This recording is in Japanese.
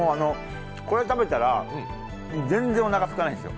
これ食べたら全然おなかすかないんですよ。